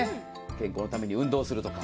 健康のために運動するとか。